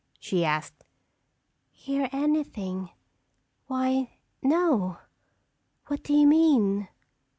she asked. "Hear anything? Why, no. What do you mean?"